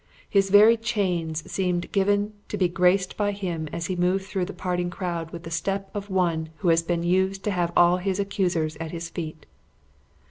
His very chains seemed given to be graced by him as he moved through the parting crowd with the step of one who had been used to have all his accusers at his feet.